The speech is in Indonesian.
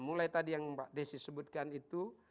mulai tadi yang mbak desi sebutkan itu